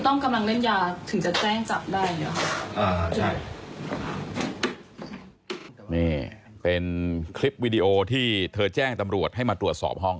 นี่เป็นคลิปวีดีโอที่เธอแจ้งตำรวจให้มาตรวจสอบห้อง